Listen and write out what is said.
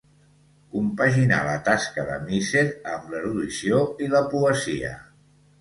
Compaginà la tasca de misser amb l'erudició i la poesia.